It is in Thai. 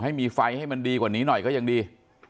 ให้มีไฟให้มันดีกว่านี้หน่อยก็ยังดี